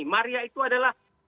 maria itu adalah